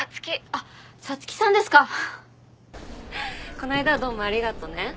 こないだはどうもありがとね。